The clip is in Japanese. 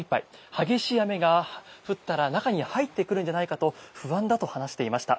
激しい雨が降ったら中に入ってくるんじゃないかと不安だと話していました。